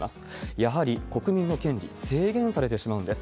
やはり国民の権利、制限されてしまうんです。